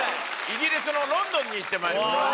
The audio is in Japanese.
イギリスのロンドンに行ってまいりました。